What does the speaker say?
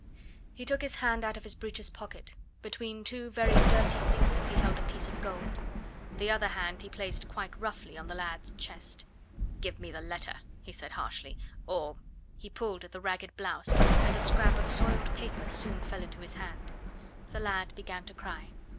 He took his hand out of his breeches pocket; between two very dirty fingers he held a piece of gold. The other hand he placed quite roughly on the lad's chest. "Give me the letter," he said harshly, "or " He pulled at the ragged blouse, and a scrap of soiled paper soon fell into his hand. The lad began to cry.